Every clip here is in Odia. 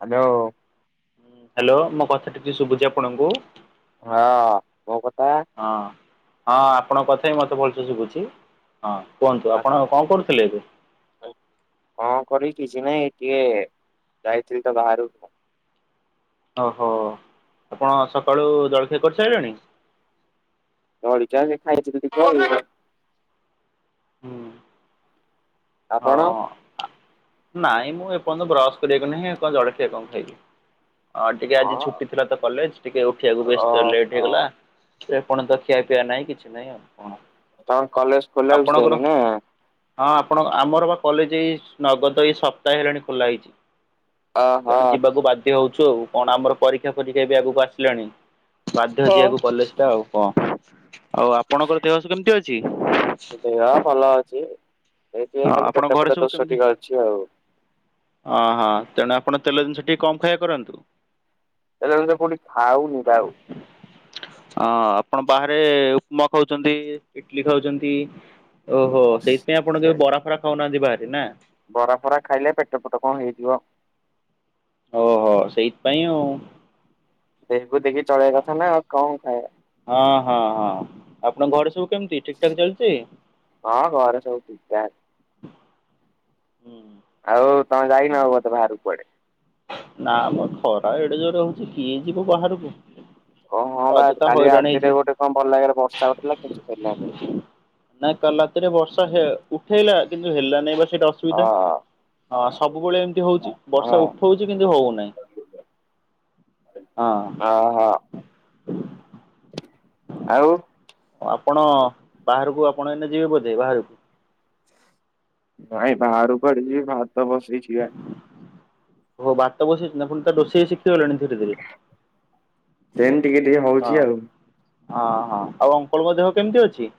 ହ୍ୟାଲୋ। ହ୍ୟାଲୋ ମୋ କଥା କିଛି ଶୁଭୁଛି ଆପଣଙ୍କୁ? ହଁ। ମୋ କଥା। ହଁ ହଁ ଆପଣଙ୍କ କଥା ବି ମତେ ଭଲସେ ଶୁଭୁଛି ହଁ କୁହନ୍ତୁ ଆ- ଆପଣ କଣ କରୁ ଥିଲେ। କଣ କରିବି କିଛି ନାଇଁ ଟିକେ ଯାଇଥିଲି ତ ବାହାର ଓହୋ ଆପଣ ସକାଳୁ ଜଳଖିଆ କରିସାରିଲେଣି? ଅଳିଚା ଖାଇଥିଲି ଟିକେ ଆଉ ହୁଁ। ହଁ ଆପଣ? ନାଇଁ ମୁଁ ଏପର୍ଯ୍ୟନ୍ତ ବ୍ରସ କରିବାକୁ ନାହିଁ କଣ ଜଳଖିଆ କଣ ଖାଇବି। ହଁ ଟିକେ ଆଜି ଛୁଟି ଥିଲା ତ କଲେଜ ଟିକେ ଉଠିବାକୁ ବେଶ ଲେଟ ଓହୋ ହେଇଗଲା। ଏପର୍ଯ୍ୟନ୍ତ ଖିଆ ପିଆ ନାଇଁ କିଛି ନାଇଁ ଆଉ କଣ। ତମର କଲେଜ୍ ଖୋଲା ହେଉଛି ଆପଣଙ୍କର ତାହେଲେ ନା? ହଁ ଆପଣ ଆମର ବା କଲେଜ୍ ଏଇ ନଗଦ ଏଇ ସପ୍ତାହେ ହେଲାଣି ଖୋଲା ହେଇଛି ଓହୋ। ତେଣୁ ଯିବାକୁ ବାଧ୍ୟ ହଉଛୁ ଆଉ କଣ ଆମର ପରୀକ୍ଷା ଫରୀକ୍ଷା ବି ଆଗକୁ ଆସିଲାଣି ବାଧ୍ୟ ହଁ। ଯିବାକୁ କଲେଜଟା ଆଉ କଣ ଆଉ ଆପଣଙ୍କର ଦେହ କେମିତି ଅଛି? ଦେହ ଭଲ ଅଛି ଏଇ ଟିକେ ହଁ ଖାଲି ଆପଣଙ୍କ ପେଟ ଘରେ ଫେଟ ଦୋଷ ଟିକେ ଅଛି ଆଉ ଓହୋ ତେଣୁ ଆପଣ ତେଲ ଜିନିଷ ଟିକେ କମ୍ ଖାଇବା କରନ୍ତୁ। ତେଲ ଜିନିଷ କୋଉଠି ଖାଉନି ବା ଆଉ, ଅ ଆପଣ ବାହାରେ ଉପମା ଖାଉଛନ୍ତି ଇଟଲି ଖାଉଛନ୍ତି। ଓହୋ ସେଇଥିାଇଁ ଆପଣ ସେ କେବେ ବରା ଫରା ଖାଉନାହାନ୍ତି ବାହାରେ ନା? ବରା ଫରା ଖାଇଲେ ପେଟ ଫେଟ କଣ ହେଇଯିବ ଓହୋ ସେଇଥିପାଇଁ ଆଉ, ଦେହକୁ ଦେଖି ଚଳେଇବା କଥା ନା ଆଉ କଣ ଖାଇବା ହଁ ହଁ ହଁ ଆପଣଙ୍କ ଘରେ ସବୁ କେମିତି ଠିକ୍ ଠାକ୍ ଚାଲିଛି? ହଁ ଘରେ ସବୁ ଠିକ୍ ଠାକ୍ ହୁଁ ଆଉ ତମେ ଯାଇନ ବୋଧେ ବାହାରକୁ କଆଡ଼େ? ନା ମ ଖରା ଏଡେ ଯୋରେ ହଉଛି କିଏ ଯିବ ବାହାରକୁ। ହଁ ବା ଅଯଥା କାଲି ହଇରାଣ ରାତିରେ ହେଇଯିବ ଗୋଟେ କଣ ଭଲ ଭାବରେ ବର୍ଷା ଉଠେଇଥିଲା କିନ୍ତୁ ହେଲାନି ନାଇଁ କାଲି ରାତିରେ ବର୍ଷା ହେ ଉଠେଇଲା କିନ୍ତୁ ହେଲାନାଇଁ ବା ସେଇଟା ଅ ସୁବିଧା ସବୁବେଳେ ଏମିତି ହଉଛି ବର୍ଷା ଉ ହଁ ଉଠଉଛି କିନ୍ତୁ ହଉନାହିଁ, ହଁ। ଓହୋ ଆଉ ଆପଣ ବାହାରକୁ ଆପଣ ଏଇନେ ଯିବେ ବୋଧେ ବାହାରକୁ ନାଇଁ ବାହାରକୁ କୁଆଡେ ଯିବି ଭାତ ବସେଇଚି ବା ଓହୋ ଭାତ ବସିଛି ନା ଆପଣ ତାହେଲେ ରୋଷେଇ ଶିଖି ଖିଗଲେଣି ଧୀରେ ଧୀରେ ସେମିତି ଟିକେ ଟିକେ ହଁ ହଉଛି ଆଉ ହଁ ହଁ ଆଉ ଆପଣଙ୍କ ଦେହ କେମିତି ଅଛି?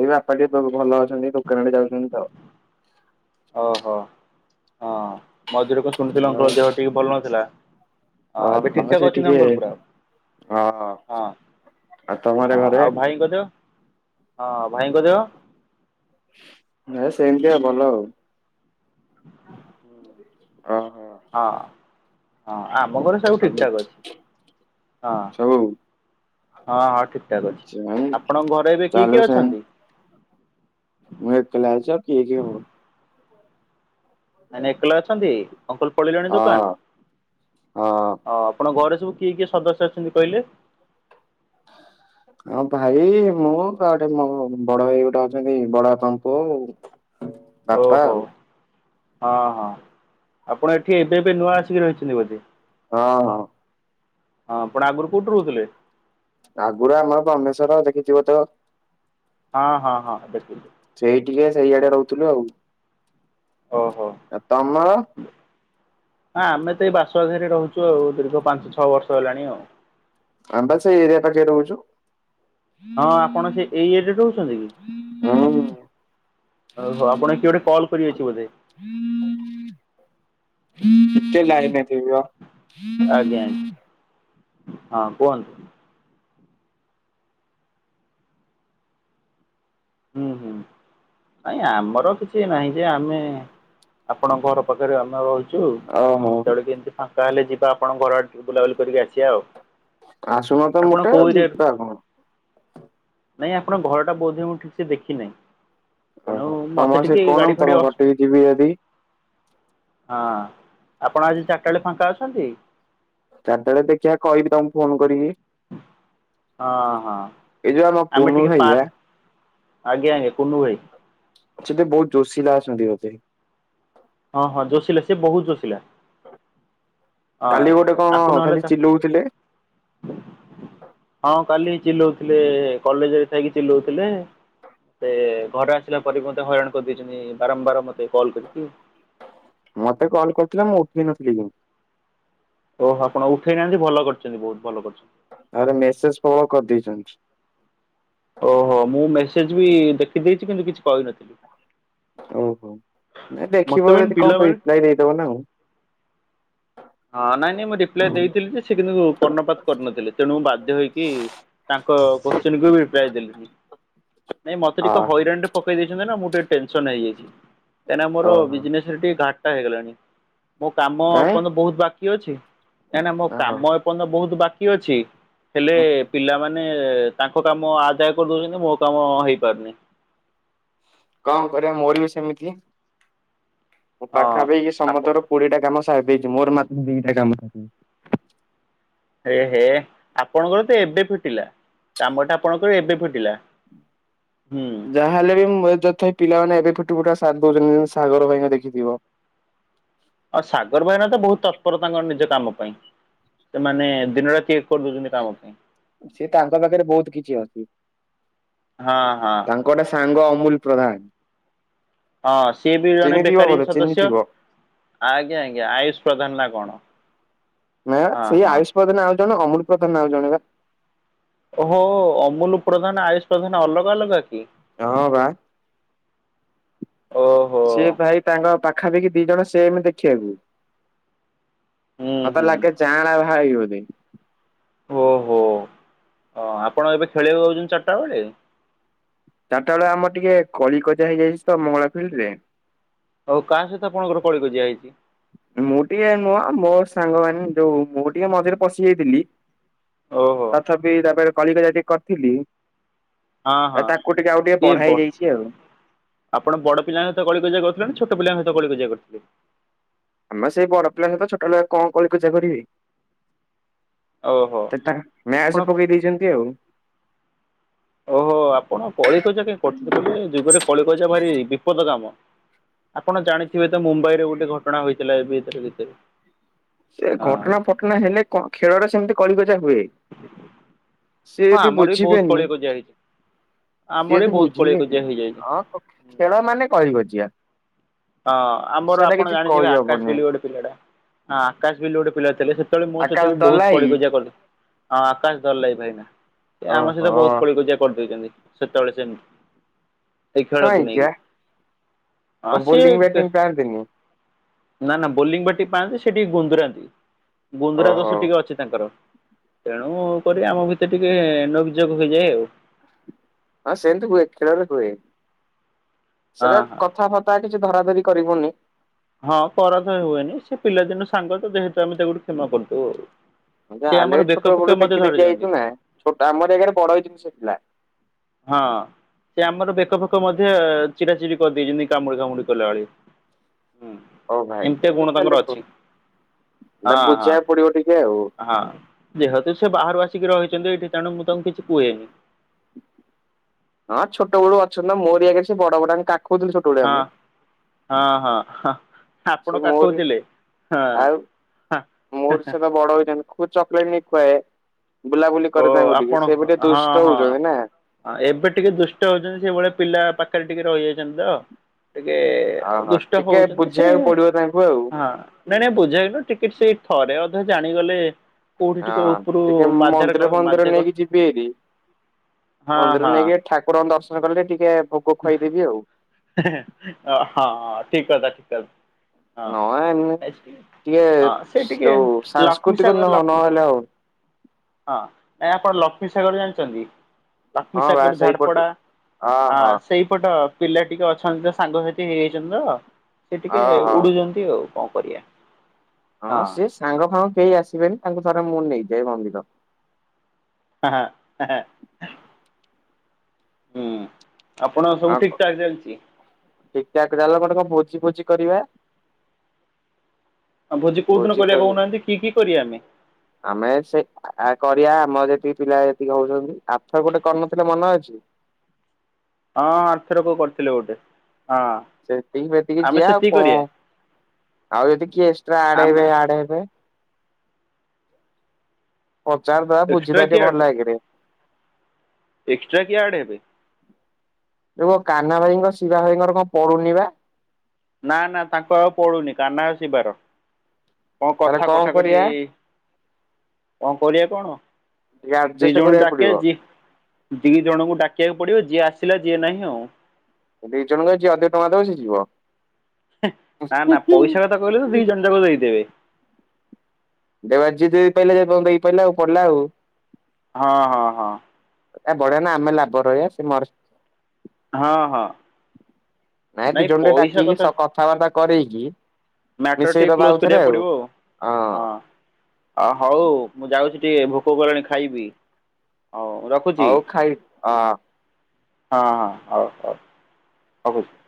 ଏଇ ବାପା ଟିକେ ଭଲ ଅଛନ୍ତି ଦୋକାନ ଆଡେ ଯାଉଛନ୍ତି ତ ଓହୋ ହଁ ମଝିରେ କଣ ଶୁଣିଥିଲି ଅଙ୍କଲଙ୍କ ଦେହ ଟିକେ ଭଲ ନଥିଲା। ହଁ ଓ ଏବେ ଠିକ୍ ଠାକ୍ ସେ ଅଛି ନା ଟିକେ ଅଙ୍କଲ ପୁରା ହଁ ହଁ ଆଉ ତମର ହଁ ଘରେ ଆଉ ଭାଇଙ୍କ ଦେହ ହଁ ଭାଇଙ୍କ ଦେହ? ହେ ସେମିତିଆ ଭଲ ଆଉ ଓହୋ ହଁ, ହଁ ଆମ ଘରେ ସବୁ ଠିକ୍ ଠାକ୍ ଅଛି ହଁ। ସବୁ ହଁ ହଁ ଠିକ୍ ଠାକ୍ ଅଛି। ଆପଣଙ୍କ ଘରେ ଏବେ କିଏ ଚାଲୁ କିଏ ସେମିତି ଅଛନ୍ତି? ମୁଁ ଏକଲା ଅଛି ଆଉ କିଏ କିଏ ହବ ମାନେ ଏକ୍ଲା ଅଛନ୍ତି ଅଙ୍କଲ ପଳେଇଲେଣି ଦୋକାନ? ହଁ ହଁ। ଅ ଆପଣ ଘରେ ସବୁ କିଏ କିଏ ସଦସ୍ୟ ଅଛନ୍ତି କହିଲେ? [inaudible] ହଁ ଭାଇ ମୁଁ ଘରେ ମୋ ବଡ ଭାଇ ଗୋଟେ ଅଛନ୍ତି ବଡବାପାଙ୍କ ପୁଅ ଅଉ ଓହୋ ହଁ ହଁ ଆପଣ ଏଠି ଏବେ ଏବେ ନୂଆ ଆସିକି ରହିଛନ୍ତି ବୋଧେ? ହଁ ହଁ। ହଁ ଆପଣ ଆଗରୁ କୋଉଠି ରହୁଥିଲେ? ଆଗରୁ ଆମର ରମେଶ୍ଵର୍ ଦେଖିଥିବ ତ? ହଁ -ହଁ- ହଁ ଦେଖିଚି। ସେଇ ଟିକେ ସେଇଆଡେ ରହୁଥିଲୁ ଆଉ। ଓହୋ। ତମର? ନା ଆମେ ତ ଏଇ ବାସୁଆଘରେ ରହୁଛୁ ଆଉ ଦୀର୍ଘ ପାଞ୍ଚ ଛଅ ବର୍ଷ ହେଲାଣି ଆଉ। ଆମେ ବା ସେଇ ଏରିଆ ପାଖରେ ରହୁଛୁ। ହଁ ଆପଣ ସେ ଏଇ ଏରିଆରେ ରହୁଛନ୍ତି କି? ହୁଁ ଓହୋ ଆପଣ କିଏ ଗୋଟେ କଲ୍ କରିିଆଇଛି ବୋଧେ? ଟିକେ ଲାଇନ୍ ରେ ଟିକେ ରୁହ। ଆଜ୍ଞା ଆଜ୍ଞ, ହଁ କୁହନ୍ତୁ। ହୁଁ ହୁଁ ନାଇଁ ଆମର କିଛି ନାହିଁ ଯେ ଆମେ ଆପଣଙ୍କ ଘର ପାଖରେ ଆମେ ରହିଚୁ। ଅହ। କେତେବେଳେ କେମିତି ଫାଙ୍କା ହେଲେ ଯିବା ଆପଣଙ୍କ ଘର ଆଡେ ଟିକେ ବୁଲାବୁଲି କରିକି ଆସିବା ଆଉ। ଆସୁନ ତ ଆପଣ ମୋଟେ କୋଉ ଏରିଆ ଯିବା କଣ? ନାଇଁ ଆପଣଙ୍କ ଘରଟା ବୋଧେ ମୁଁ ଠିକ୍ ସେ ଦେଖିନାହିଁ। ତେଣୁ ଓହୋ ତମର ମତେ ସେ ଟିକେ କଣ ମୁଁ ଗାଡି ତମ ଫାଡି ଅସୁ ଘରଟିକି ଯିବି ଯଦି ହଁ ଆପଣ ଆଜି ଚାରିଟା ବେଳେ ଫାଙ୍କା ଅଛନ୍ତି? ଚାରିଟା ବେଳେ ଦେଖିବା କହିବି ତମକୁ ଫୋନ କରିକି। ହଁ ହଁ ଏ ଯୋଉ ଆମ ଆମେ କୁନୁ ଟିକେ ଭାଇ ପାର୍କ ବା ଆଜ୍ଞା ଆଜ୍ଞା କୁନୁ ଭାଇ। ସେତେ ବହୁତ୍ ଜୋସିଲା ଆସନ୍ତି ବୋଧେ? ହଁ -ହଁ ଜୋସିଲା ସେ ବୋହୁତ ଜୋସିଲା। ହଁ କାଲି ଗୋଟେ କଣ ଆକୁ ନହେଲେ ଖାଲି ତା ଚିଲଉଥିଲେ? ହଁ କାଲି ଚିଲଉଥିଲେ, କଲେଜରେ ଥାଇକି ଚିଲଉଥିଲେ। ସେ ଘରେ ଆସିଲା ପରେ ବି ମୋତେ ହଇରାଣ କରିଦେଇଛନ୍ତି ବାରମ୍ବାର ମତେ କଲ୍ କରିକି। ମତେ କଲ୍ କରୁଥିଲେ ମୁଁ ଉଠେଇ ନଥିଲି ଓହୋ ଆପଣ ଉଠେଇ ନାହାନ୍ତି ଭଲ କରିଛନ୍ତି ବୋହୁତ ଭଲ କରିଛନ୍ତି। ତାପରେ ମେସେଜ୍ ପ୍ରବଳ କରିଦେଇଛନ୍ତି। ଓହୋ ମୁଁ ମେସେଜ୍ ବି ଦେଖିଦେଇଛି କିନ୍ତୁ କିଛି କହିନଥିଲି। ଆଉ କଣ ନାଇଁ ମତେ ଦେଖିବ ମେନ୍ ଯଦି କଣ ପିଲାମାନେ କହିବି ରିପ୍ଲାଏ ଦେଇଦବ ନାଉ। ହଁ ନାଇଁ ନାଇଁ ମୁଁ ରିପ୍ଲାଏ ଦେଇଥିଲି ଯେ ସେ କିନ୍ତୁ କର୍ଣ୍ଣପାତ କରିନଥିଲେ ତେଣୁ ମୁଁ ବାଧ୍ୟ ହୋଇକି ତାଙ୍କ କୋଶ୍ଚିନକୁ ବି ରିପ୍ଲାଏ ଦେଲିଣିି। ନାଇଁ ମତେ ଟିକେ ଅହୋ ହଇରାଣରେ ପକେଇ ଦେଇଛନ୍ତି ନା ମୁଁ ଟିକେ ଟେନସନ୍ ହେଇଯାଇଛି, କାଇଁନା ମୋର ଓହୋ ବିଜନେସ୍ ସେ ଟିକେ ଘାଟା ହେଇଗଲାଣି, ମୋ କାମ କାଇଁ ଏପର୍ଯ୍ୟନ୍ତ ବୋହୁତ ବାକି ଅଛି। କାହିଁକିନା ମୋ ଓହୋ କାମ ଏପର୍ଯ୍ୟନ୍ତ ବୋହୁତ ବାକି ଅଛି ହେଲେ ହୁଁ ପିଲାମାନେ ମାନେ ତାଙ୍କ କାମ ଆଦାୟ କରିଦଉଛନ୍ତି ମୋ କାମ ହେଇପାରୁନି। କଣ କରିବା ମୋର ବି ସେମିତି ମୋ ହଁ ପାଖାପାଖି ଆପ ସମସ୍ତଙ୍କର କୋଡିଏଟା କାମ ସାରି ଦେଇଛି ମୋର ମାତ୍ର ଦିଟା କାମ ସରିନି। ହେ ହେ ଆପଣଙ୍କର ତ ଏବେ ଫିଟିଲା କାମଟା ଆପଣଙ୍କର ଏବେ ଫିଟିଲା। ହୁଁ। ଯାହାହେଲେ ବି ମୁଁ ଯଥା ପିଲାମାନେ ଏବେ ଫୁଟୁ ଫୁଟା ସାର୍ ଦଉଛନ୍ତି ସାଗର ଭାଇଙ୍କୁ ଦେଖିଥିବ। ଆ ସାଗର ଭାଇନା ତ ବୋହୁତ ତତ୍ପର ତାଙ୍କର ନିଜ କାମ ପାଇଁ। ସେମାନେ ଦିନ ରାତି ଏକ୍ କରିଦଉଛନ୍ତି କାମ ପାଇଁ। ସେ ତାଙ୍କ ପାଖରେ ବହୁତ କିଛି ଅଛି ହଁ ହଁ ତାଙ୍କ୍ ଗୋଟେ ସାଙ୍ଗ ଅମୁଲ ପ୍ରଧାନ। ହଁ ସିଏ ବି ଜଣେ ଚିହ୍ନିଥିବ ବେକାରୀ ବୋଧେ ସଦସ୍ୟ ଚିହ୍ନିଥିବ ଆଜ୍ଞା ଆଜ୍ଞା ଆୟୁଷ ପ୍ରଧାନ ନା କଣ। ନା ହଁ ସେଇ ହଁ ଆୟୁଷ୍ ପ୍ରଧାନ ଆଉ ଜଣେ ଅମୁଲ ପ୍ରଧାନ ଆଉ ଜଣେ ପା। ଓ ହୋ ଅମୁଲ ପ୍ରଧାନ, ଆୟୁଷ ପ୍ରଧାନ ଅଲଗା ଅଲଗା କି? ହଁ ବା। ଓହୋ ସିଏ ଭାଇ ତାଙ୍କ ପାଖାପାଖି ଦି ଜଣ ସେମ୍ ଦେଖିବାକୁ। ହୁଁ ମତେ ହୁଁ ଲାଗେ ଜାଆଁଳା ଭାଇ ବୋଲି। ଓହୋ ଅ ଆପଣ ଏବେ ଖେଳିବାକୁ ଯାଉଛନ୍ତି ଚାରିଟା ବେଳେ? ଚାରିଟା ବେଳେ ଆମର ଟିକେଏ କଳିକଜିଆ ହେଇଯାଇଛି ତ ମଙ୍ଗଳା ଫିଲ୍ଡରେ। ଆଉ କାହା ସହିତ ଆପଣଙ୍କର କଳିକଜିିଆ ହେଇଛି? ମୁଁ ଟିକେ ନୁହଁ ମୋ ସାଙ୍ଗମାନେ ଯୋଉ ମୁଁ ଟିକେ ମଝିରେ ପଶି ଯାଇଥିଲି। ଓହୋ। ତଥାପି ତାପରେ କଳିକଜିଆ ଟିକେ କରିଥିଲି। ହଁ ହଁ ତାକୁ ଟିକେ ଆଉ ଟିକେ କିଏ ବଢା ବ ହେଇ ଯାଇଛି ଆଉ। ଆପଣ ବଡ ପିଲାଙ୍କ ସହିତ କଳିକଜିଆ କରିଛନ୍ତି ନା ଛୋଟ ପିଲାଙ୍କ ସହିତ କଳିକଜିଆ କରିଥିଲେ? ଆମେ ସେଇ ବଡ ପିଲା ସହିତ ଛୋଟ ପିଲା କଁ କଳିକଜିଆ କରିବି? ଓହୋ। ସେଟା ଆପଣ ମ୍ୟାଚ ପକେଇ ଦେଇଛନ୍ତି ଆଉ। ଓହୋ ଆପଣ କଳିକଜିଆ କାଇ କରୁଛନ୍ତି କହିଲେ ଯୁଗରେ କଳିକଜିଆ ଭାରି ବିପଦ କାମ। ଆପଣ ଜାଣିଥିବେ ତ ମୁମ୍ବାଇ ରେ ଗୋଟେ ଘଟଣା ହୋଇଥିଲା ଏବେ ଭିତରେ ଭିତରେ। ସେ ହଁ ଘଟଣା ଫଟଣା ହେଲେ କ ଖେଳଟା ସେମିତି କଳିକଜିଆ ହୁଏ। ହଁ ସିଏ ବି ଆମର ବହୁତ ବୁଝିବେନି କଳିକଜିଆ ହେଇଛି ଆମର ସିଏ ବି ତ ବହୁତ କଳିକଜିଆ ବୁଝିିବେନି ହେଇଯାଇଛି। ହଁ ଓକେ ଖେଳ ମାନେ କଳିକଜିଆ। ହଁ ଆମର ସେଇଟା ଆପଣ କିଛି ଜାଣିଥିବେ ଆକାଶ କହିହବନି ବୋଲି ଗୋଟେ ପିଲାଟା ହଁ ଆକାଶ ବୋଲି ଗୋଟେ ପିଲା ଥିଲେ ସେ ସେତେବେଳେ ମୋ ସହିତ ଆକାଶ ବି ବହୁତ ଦଲାଇ କଳିକଜିଆ କରୁଥିଲେ ଆକାଶ [unintelligible] ଆମ ସହିତ ଓହୋ ବହୁତ କଳିକଜିଆ କରିଦେଇଛନ୍ତି ସେତେବେଳେ ସେମତି ଏଇ ଖେଳକୁ ନେଇକି। ହଁ କ ସିଏ ବୋଲିଂ କେ ବ୍ୟାଟିଂ ପାଆନ୍ତିନି? ନା ନା ବୋଲିଂ ବାଟିଂ ପାଆନ୍ତି ସେ ଟିକେ ଗୁନ୍ଦୁରା ଗୁନ୍ଦୁରା ଓହୋ ଦୋଷ ଟିକେ ଅଛି ତାଙ୍କର। ତେଣୁ କରି ଆମ ଭିତରେ ଟିକେ ନୋକ୍ ଯୋକ୍ ହେଇଯାଏ ଆଉ। ହଁ ସେମିତି ହୁଏ ଖେଳରେ ହୁଏ ହଁ ସେଟା ହଁ କଥାବା ତା କିଛି ଧରା ଧରି କରିବୁନି। ହଁ କରା ତ ହୁଏନି ସେ ପିଲାଦିନୁ ସାଙ୍ଗ ତ ଯେହେତୁ ଆମେ ତାକୁ ଟିକେ କ୍ଷମା କରିଦଉ ଆଉ। ଯା ସେ ହେଲେ ଆମର ବି ବେକ ଛୋଟ ଫେକ ବେଳୁ ମଧ୍ୟ ଦେଖି ଦେଖି ଧରିଯାଆନ୍ତି ଆଇଛୁନା ଛୋଟ ଆମର ଏଗାରେ ବଡ ଏଇ। [unintelligible] ହଁ ସେ ଆମର ବେକ ଫେକ ମଧ୍ୟେ ଚିରାଚିରି କରିଦେଇଚନ୍ତି କାମୁଡି କାମୁଡି କହିଲାଭଳି। ହୁଁ ହଉ ଭାଇ ଏମିତିଆ ଏମିତି ଗୁଣ ତାହେଲେ ତାଙ୍କର କ ଅଛି। ଏଟା ହଁ ହଁ ବୁଝିବାକୁ ପଡିବ ଟିକେ ଆଉ। ହଁ। ଯେହେତୁ ସେ ବାହାରୁ ଆସିକି ରହିଚନ୍ତି ଏଇଠି ତେଣୁ ମୁଁ ତାଙ୍କୁ କିଛି କୁହେନି। ହଁ ଛୋଟ ବେଳୁ ଅଛନ୍ତି ତ ମୋରିଆଗରେ ସେ ବଡ ବଡାହେଇ କାଖୋଉଥିଲି ଛୋ ହଁ ହଁ ହଁ ହଁ। ଆପଣ ସେ ମୋରି କାଖଉଥିଲେ ଆଉ ହଁ ମୋର ସେତ ବଡ ହେଇଛନ୍ତି। ମୁ ଚକଲେଟ ନେଇ ଖୁଆଏ ବୁଲାବୁଲି ଓ କରେ ତାଙ୍କୁ ଆପଣ ଟିକେ ସେ ଟିକେ ହଁ ଦୁଷ୍ଟ ହଉଚନ୍ତି ନା। ହଁ ଏବେ ଟିକେ ଦୁଷ୍ଟ ହଉଚନ୍ତି ସେଇଭଳିଆ ପିଲା ପାଖରେ ଟିକେ ରହିଯାଇଛନ୍ତି ତ ଟିକେ ଓହୋ ଦୁଷ୍ଟ ଟିକେ ହଉଛନ୍ତି ସେ ବୁଝେଇବାକୁ ପଡିବ ତାଙ୍କୁ ଆଉ ହଁ। ନାଇଁ ନାଇଁ ବୁଝେଇନୁ ଟିକେଟ୍ ସେଇ ଥରେ ଅଧେ ଜାଣିଗଲେ କୋଉଠି ହଁ, ଟିକେ ଉପରୁ ଟିକେ ମାଧ୍ୟାର ମନ୍ଦିର ଫନ୍ଦିର ମାଧ୍ୟାକର୍ଷ ନେଇକି ଯିବି ଏରି। ହଁ ମନ୍ଦିର ହଁ ନେଇକି ଠାକୁରଙ୍କ ଦର୍ଶନ କଲେ, ଟିକେ ଭୋଗ ଖୁଆଇଦେବି ଆଉ। ହେଁ ହେଁ, ହଁ ଠିକ୍ କଥା ଠିକ୍ କ ହଁ, ନହେ ଏମି [unintelligible] ଟିକେ ହଁ ସେ ଟିକେ ଯୋଉ ଲକ୍ଷ୍ମୀ ସାଂସ୍କୃତିକ ନ ସାଗର ଲଖ୍ ନହେଲେ ଆଉ ହଁ, ନାଇଁ ଆପଣ ଲକ୍ଷ୍ମୀ ସାଗର ଜାଣିଚନ୍ତି? ହଁ ବା ଲକ୍ଷ୍ମୀସାଗର ଝାଡ଼୍ ସେଇପଟୁ ପଡା ହଁ, ଅହ ଅହ। ସେଇ ଏପଟ ପିଲା ଟିକେ ଅଛନ୍ତି ତ, ସାଙ୍ଗସାଥି ହେଇଯାଇଚନ୍ତି ତ! ସେ ଟିକେ ହଁ ଉଡୁଚନ୍ତ ସେ ଆଉ କଣ କରିଆ? ହଁ, ସିଏ ସାଙ୍ଗ ଫାଙ୍ଗ କେହି ଆସିବେନି? ତାଙ୍କୁ ଥରେ ମୁଁ ନେଇଯାଏ ମନ୍ଦିର। ହାଁ, ହାଁ, ହେଁ, ହେଁ। ହୁଁ। ଆପଣ ସବୁ ଠିକ୍ ଠାକ୍ ଚାଲିଚି! ଟିକ୍ ଟାକ୍ ଚାଲ ଗଁଟେ କଁ ଭୋଜି ଫୋଜି କରିବା? ଆଁ ଭୋଜି କୋଉ ଦିନ କରିଆ କହୁନାହାଁନ୍ତି? କି କି କରିଆ ଆମେ? ଆମେ ସେ ଆ-ଆ କରିଆ, ଆମର ଯେତିକି ପିଲା ଯେତିକି ହଉଛନ୍ତି। ଆରଥର୍ ଗୋଟେ କରିନଥିଲେ ମନ ଅଛି! ହଁ, ଆର୍ ଥରକ କରିଥିଲେ ଗୋଟେ, ହଁ। ସେତିକି ସେତିକି ଆମେ ଯିିଆ ଆଉ ସେତିକି କଣ? କରିବା ଆଉ ଯଦି କିଏ ଏକ୍ସଟ୍ରା ଆଡ୍ ଆମେ ହେବେ, ଆଡ୍ ହେବେ। ପଚାରଦଆ, ଏକ୍ସଟ୍ରା ବୁଝିଦଆ କିଏ ଟିକେ ଆଡ୍ ଭଲ ଆଗେରେ। ଏକ୍ସଟ୍ରା କିଏ ଆଡ୍ ହେବେ? ରୁହ! କାହ୍ନା ଭାଇଙ୍କ, ଶିରା ଭାଇଙ୍କର କଣ ପଡୁନି ବା? ନା, ନା, ତାଙ୍କ ଆଉ ପଡୁନି। କାହ୍ନା ଆଉ ଶିବାର। କଁ ତାହେଲେ କଥା କଣ କଟା କରିବା କଟି-ଇ କଣ କରିଆ କଣ? ଟିକେ ଦି ଆଡଜଷ୍ଟ ଜଣ କରିବାକୁ ପଡିବ ଡାକେଚି। ଦି ଜଣଙ୍କୁ ଡାକିଆକୁ ପଡିବ। ଯିଏ ଆସିଲା, ଯିଏ ନାହିଁ ଆଉଁ। ଦି ଜଣଙ୍କ ଯିଏ ଅଧିକ ଟଆଁ ଦବ, ସେ ଯିବ। [unintelligible] ନା, ନା, ପଇସା କଥା କହିଲେ ତ ଦି ଜଣ ଯାକ ଦେଇଦେବେ। ଦେବା ଯିଏ ଦେଇ ପାଇଲା ଯେପନ୍ତ ଦେଇପାଇଲା ଆଉ, ପଡିଲା ଆଉ। ହଁ ହଁ ହଁ। ଏ ବଢିଆ ନା ଆମେ ଲାଭ ରହିବା ସେ ମରସ଼୍ ହଁ ହଁ ନାଇଁ ଦି ଜଣ ଟେ ଡାକିକି ସ କଥାବାର୍ତ୍ତା କରେଇକି ମ୍ୟାଟର୍ ମିଶେଇ ଟି ଦବା କ୍ଲୋଜ୍ ଆଉଥରେ କରିବା ପଡିବ ଆଉ, ହଁ। ଅ ହଉ, ମୁଁ ଯାଉଛି ଟିକେ ଭୋକ କଲାଣି, ଖାଇବି। ହଉ ରଖ୍ ହଉ ଖାଇ, ଅ ହଁ, ହଁ, ହଉ ହଉ [unintelligible]